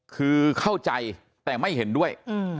คือเข้าใจแต่ไม่เห็นด้วย